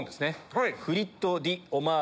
はい。